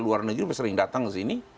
luar negeri sering datang ke sini